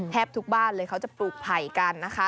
แทบทุกบ้านเลยเขาจะปลูกไผ่กันนะคะ